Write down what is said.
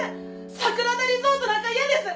桜田リゾートなんか嫌です